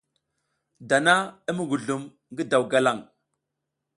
Dana i muguzlum ngi daw galang.